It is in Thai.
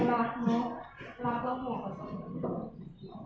แต่ยังรักเนาะอะ